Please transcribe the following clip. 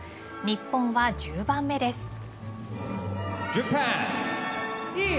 日本は１０番目です。